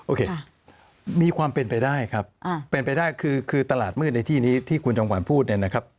โอเคมีความเป็นไปได้ครับเป็นไปได้คือตลาดมืดในที่นี้ที่คุณจำขวัญพูดเนี่ยนะครับ